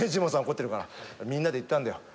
怒ってるからみんなで言ったんだよ